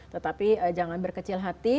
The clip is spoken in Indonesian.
tetapi jangan berkecil hati